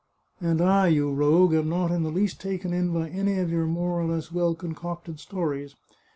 " And I, you rogue, am not in the least taken in by any of your more or less well concocted stories.